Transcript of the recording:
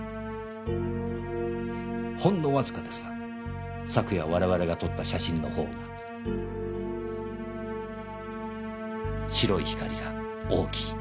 ほんのわずかですが昨夜我々が撮った写真のほうが白い光が大きい。